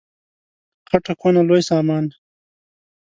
غټه کونه لوی سامان.